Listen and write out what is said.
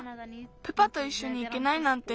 プパといっしょにいけないなんて。